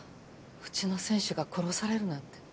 うちの選手が殺されるなんて。